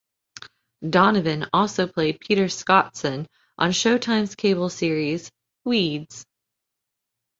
Donovan also played Peter Scottson on Showtime's cable series "Weeds".